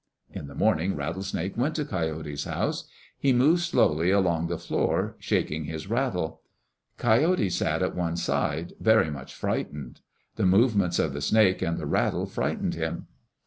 In the morning Rattlesnake went to Coyote's house. He moved slowly along the floor, shaking his rattle. Coyote sat at one side, very much frightened. The movements of the snake and the rattle frightened him.